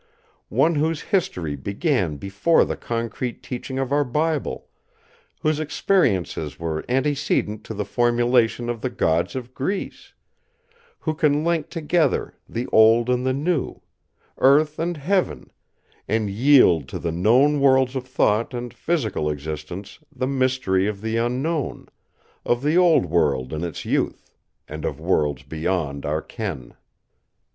One whose history began before the concrete teaching of our Bible; whose experiences were antecedent to the formulation of the Gods of Greece; who can link together the Old and the New, Earth and Heaven, and yield to the known worlds of thought and physical existence the mystery of the Unknown—of the Old World in its youth, and of Worlds beyond our ken!"